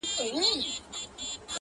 په سپين سر، کيمخا پر سر.